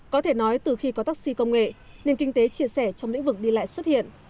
có thể nói từ khi có taxi công nghệ nền kinh tế chia sẻ trong lĩnh vực đi lại xuất hiện